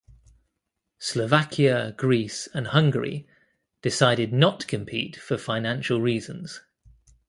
Slovakia, Greece and Hungary decided not to compete for financial reasons.